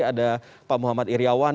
ada pak muhammad iryawan